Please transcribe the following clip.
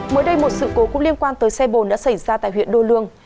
mới đây một sự cố cũng liên quan tới xe bồn đã xảy ra tại huyện đô lương